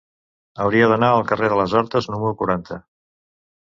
Hauria d'anar al carrer de les Hortes número quaranta.